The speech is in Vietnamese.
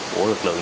của lực lượng